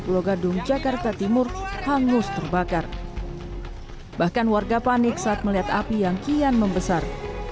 pulau gadung jakarta timur hangus terbakar bahkan warga panik saat melihat api yang kian membesar